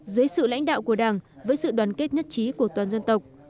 dưới sự lãnh đạo của đảng với sự đoàn kết nhất trí của toàn dân tộc